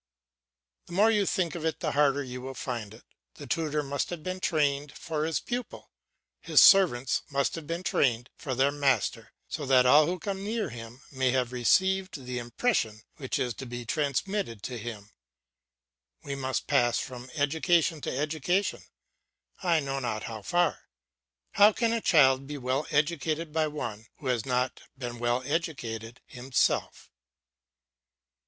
The more you think of it the harder you will find it. The tutor must have been trained for his pupil, his servants must have been trained for their master, so that all who come near him may have received the impression which is to be transmitted to him. We must pass from education to education, I know not how far. How can a child be well educated by one who has not been well educated himself!